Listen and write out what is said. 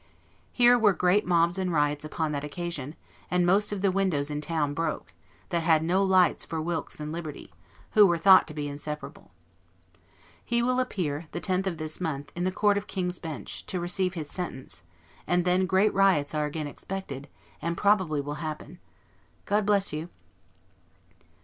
Here were great mobs and riots upon that occasion, and most of the windows in town broke, that had no lights for WILKES AND LIBERTY, who were thought to be inseparable. He will appear, the 10th of this month, in the Court of King's Bench, to receive his sentence; and then great riots are again expected, and probably will happen. God bless you!